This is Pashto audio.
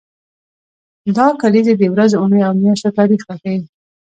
دا کلیزې د ورځو، اونیو او میاشتو تاریخ راښيي.